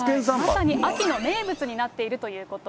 まさに秋の名物になっているということ。